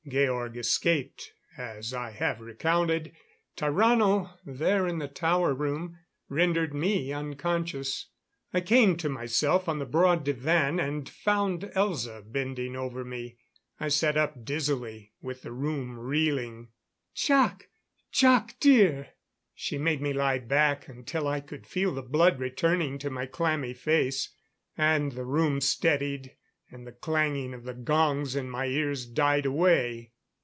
Georg escaped, as I have recounted. Tarrano there in the tower room rendered me unconscious. I came to myself on the broad divan and found Elza bending over me. I sat up, dizzily, with the room reeling. "Jac! Jac, dear " She made me lie back, until I could feel the blood returning to my clammy face; and the room steadied, and the clanging of the gongs in my ears died away.